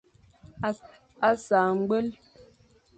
Sañ ñgwel.